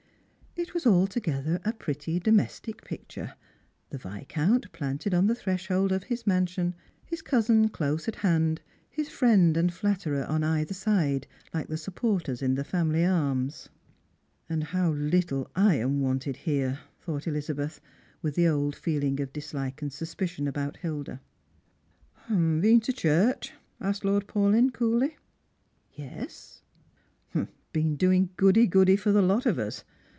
It was altogether a pi etty domestic picture — the Viscount planted on the threshold of his mansion, his cousin close at hand, his friend and flatterer on either side, like the supporters in the family arms. " And how little I am wanted here !" thought Elizabeth, with the old feeling of dislike and suspicion about Hilda. " Been to church ?" asked Lord Paulyn coolly. "Yes." •' Been doing goody goody for the lot of us.